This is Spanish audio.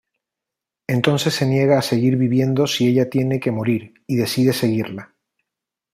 Entonces se niega a seguir viviendo si ella tiene que morir, y decide seguirla.